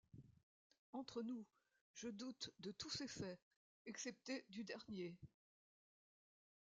Entre-nous, je doute de tous ces faits, excepté du dernier.